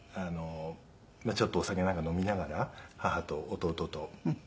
ちょっとお酒なんか飲みながら母と弟と弟の嫁とみんなで。